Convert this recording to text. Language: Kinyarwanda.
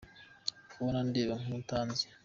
Ko mbona undeba nk'utanzi?